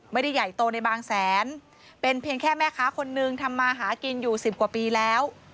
ไม่ได้ใหญ่โตในบางแสนเป็นเพียงแค่แม่ค้าคนนึงทำมาหากินอยู่สิบกว่าปีแล้ว